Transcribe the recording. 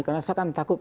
karena saya kan takut